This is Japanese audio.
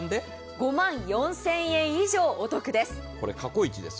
５万４０００円以上お得です。